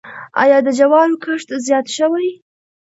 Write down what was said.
آیا د جوارو کښت زیات شوی؟